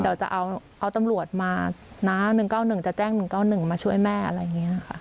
เดี๋ยวจะเอาตำรวจมานะ๑๙๑จะแจ้ง๑๙๑มาช่วยแม่อะไรอย่างนี้ค่ะ